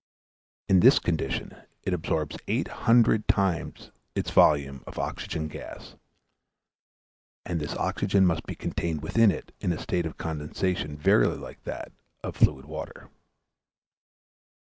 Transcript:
In this condition it absorbs eight hundred times its volume of oxygen gas, and this oxygen must be contained within it in a state of condensation very like that of fluid water.